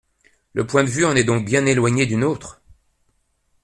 Le point de vue en est donc bien éloigné du nôtre.